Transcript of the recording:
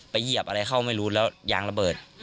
เหยียบอะไรเข้าไม่รู้แล้วยางระเบิด